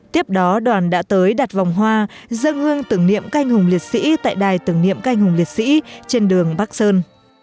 tiếp đó đoàn đã tới đặt vòng hoa dân hương tưởng niệm canh hùng liệt sĩ tại đài tưởng niệm canh hùng liệt sĩ trên đường bắc sơn